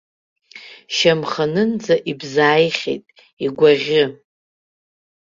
Шьамханынӡа ибзааихьеит, игәаӷьы!